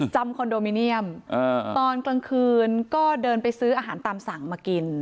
คอนโดมิเนียมตอนกลางคืนก็เดินไปซื้ออาหารตามสั่งมากิน